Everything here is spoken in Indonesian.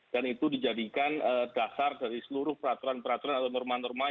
dan itu dijadikan dasar dari seluruh peraturan peraturan atau norma norma